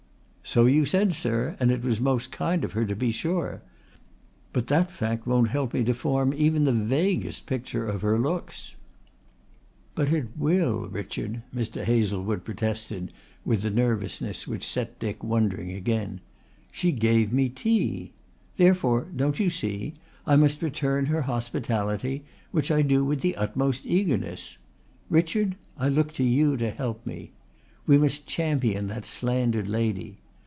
"So you said, sir, and it was most kind of her to be sure. But that fact won't help me to form even the vaguest picture of her looks." "But it will, Richard," Mr. Hazlewood protested with a nervousness which set Dick wondering again. "She gave me tea. Therefore, don't you see, I must return the hospitality, which I do with the utmost eagerness. Richard, I look to you to help me. We must champion that slandered lady.